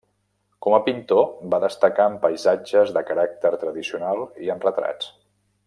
Com a pintor va destacar en paisatges de caràcter tradicional i en retrats.